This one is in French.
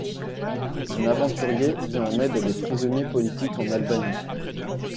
Un aventurier vient en aide à des prisonniers politiques en Albanie.